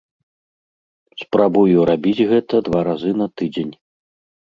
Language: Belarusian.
Спрабую рабіць гэта два разы на тыдзень.